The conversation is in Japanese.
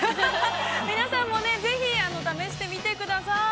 ◆皆さんもね、ぜひ試してみてください。